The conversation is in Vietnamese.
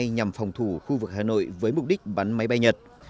nhằm phòng thủ khu vực hà nội với mục đích bắn máy bay nhật